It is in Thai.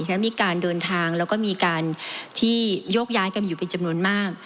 และมีการเดินทางแล้วก็มีการที่โยกย้ายกันอยู่เป็นจำนวนมาก